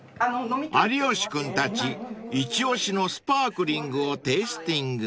［有吉君たち一押しのスパークリングをテイスティング］